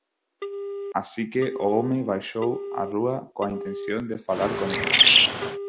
Así que o home baixou á rúa coa intención de falar con eles.